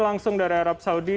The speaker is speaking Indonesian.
langsung dari arab saudi